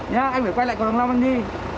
nha anh phải quay lại cầu thăng long anh đi